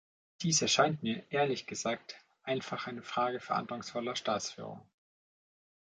Dies erscheint mir, ehrlich gesagt, einfach eine Frage verantwortungsvoller Staatsführung.